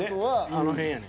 あの辺やねん。